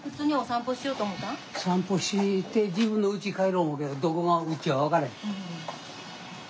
散歩して自分のうち帰ろう思うけどどこがうちや分からへん。